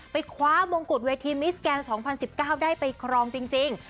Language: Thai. คว้ามงกุฎเวทีมิสแกน๒๐๑๙ได้ไปครองจริง